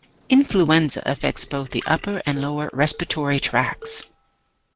Influenza affects both the upper and lower respiratory tracts.